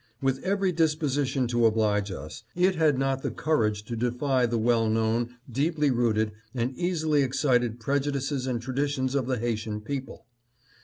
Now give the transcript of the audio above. With every disposition to oblige us, it had not the courage to defy the well known, deeply rooted, and easily excited prejudices and traditions of the Haitian people.